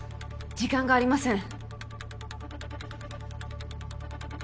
時間がありません。